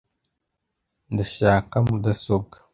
Ndashaka mudasobwa .